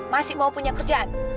masih mau punya kerjaan